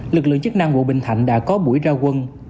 lực lượng chức năng quận bình thạnh đã có buổi ra quân